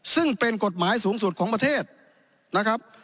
ซึ่งเป็นกฎหมายสูงสุดของประเทศนะครับ